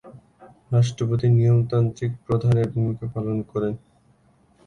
রাষ্ট্রপতি নিয়মতান্ত্রিক প্রধানের ভূমিকা পালন করেন।